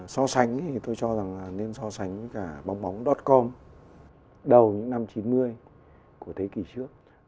so sánh thì tôi cho rằng là nên so sánh với cả bongbong com đầu năm chín mươi của thế kỷ trước